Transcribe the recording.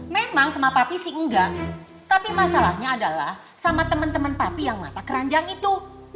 memang sama papi sih enggak tapi masalahnya adalah sama teman teman papi yang mata keranjang itu